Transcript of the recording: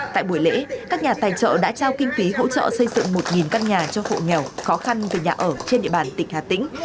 tại buổi lễ các nhà tài trợ đã trao kinh phí hỗ trợ xây dựng một căn nhà cho hộ nghèo khó khăn về nhà ở trên địa bàn tỉnh hà tĩnh